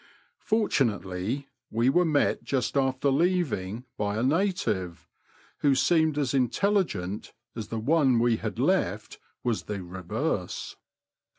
Fortunately, we were met just after leaving by a native, who seemed as intelligent as the one we had left was the reverse.